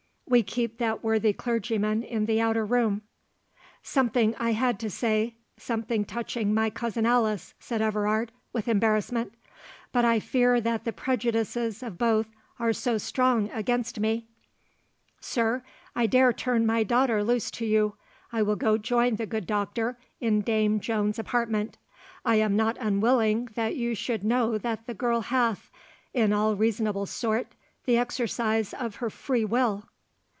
We keep that worthy clergyman in the outer room." "Something I had to say—something touching my cousin Alice," said Everard, with embarrassment; "but I fear that the prejudices of both are so strong against me"— "Sir, I dare turn my daughter loose to you—I will go join the good doctor in dame Joan's apartment. I am not unwilling that you should know that the girl hath, in all reasonable sort, the exercise of her free will."